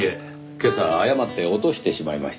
今朝誤って落としてしまいましてね。